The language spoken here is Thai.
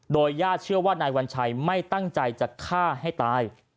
โดยญาติเชื่อว่านายวัญชัยไม่ตั้งใจจะฆ่าให้ตาย